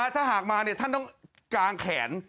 ถ้าหากมาท่านต้องกางแขน